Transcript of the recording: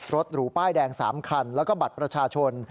หรูป้ายแดง๓คันแล้วก็บัตรประชาชน